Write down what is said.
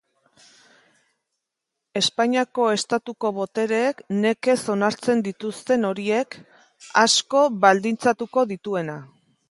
Espainiako Estatuko botereek nekez onartzen dituzten horiek, asko baldintzatuko dituena.